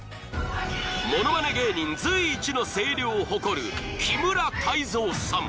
［物まね芸人随一の声量を誇る木村たいぞうさん］